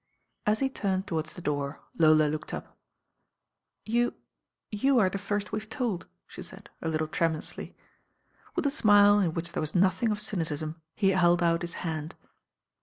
As he turned towards the door Lola looked up. "You— you are the first we've told," she said a uttie tremulously. With a smile in which there was nothing of cyni tism he held put his hand.